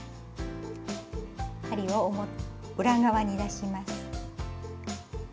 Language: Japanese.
針を裏側に出します。